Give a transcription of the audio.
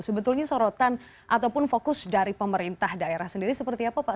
sebetulnya sorotan ataupun fokus dari pemerintah daerah sendiri seperti apa pak